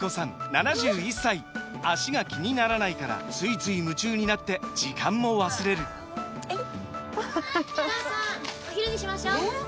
７１歳脚が気にならないからついつい夢中になって時間も忘れるお母さんお昼にしましょうえー